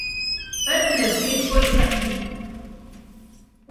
بەرد لە جێ ی خۆی سەنگینە